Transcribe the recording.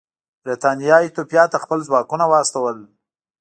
برېټانیا ایتوپیا ته خپل ځواکونه واستول.